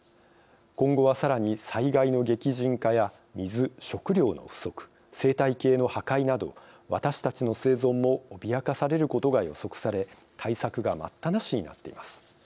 今後はさらに災害の激甚化や水・食料の不足生態系の破壊など私たちの生存も脅かされることが予測され対策が待ったなしになっています。